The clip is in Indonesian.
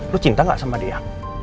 lu cinta gak sama dia